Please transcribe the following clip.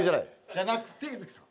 じゃなくて柚月さん。